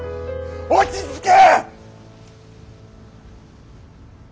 落ち着け！